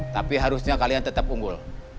tapi harusnya kalian tetap unggul